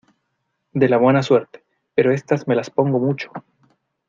de la buena suerte, pero estas me las pongo mucho